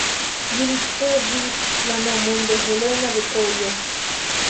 Ĝi ricevis la nomon de Helena de Trojo.